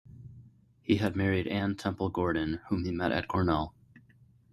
He had married Anne Temple Gordon, whom he met at Cornell.